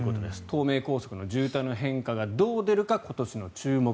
東名高速の渋滞の変化がどう出るか今年の注目。